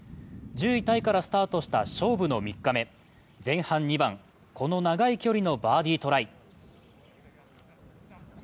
１０位タイからスタートした勝負の３日目前半２番、この長い距離のバーディートライ。